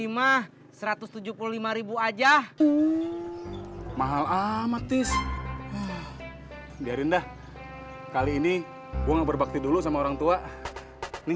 ini mah satu ratus tujuh puluh lima aja mahal amatis biarin dah kali ini gua berbakti dulu sama orang tua nih